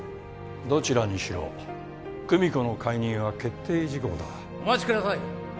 どちらにしろ久美子の解任は決定事項だお待ちください